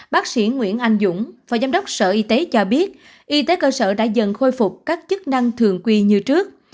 bác sĩ nguyễn anh dũng phó giám đốc sở y tế cho biết y tế cơ sở đã dần khôi phục các chức năng thường quy như trước